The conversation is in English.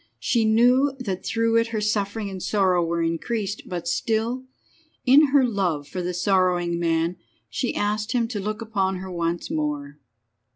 She knew that through it her suffering and sorrow were increased; but still, in her love for the sorrowing man, she asked him to look upon her once more.